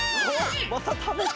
またたべた。